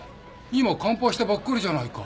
今乾杯したばっかりじゃないか。